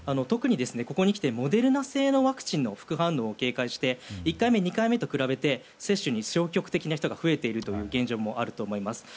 特に、ここにきてモデルナ製のワクチンの副反応を警戒して１回目、２回目と比べて接種に消極的な人が増えているという現状もあると思います。